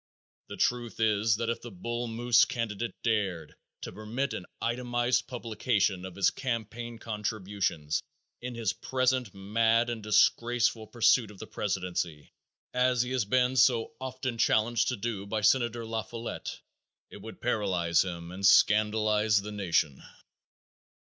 The truth is that if the Bull Moose candidate dared to permit an itemized publication of his campaign contributions in his present mad and disgraceful pursuit of the presidency, as he has been so often challenged to do by Senator La Follette, it would paralyze him and scandalize the nation.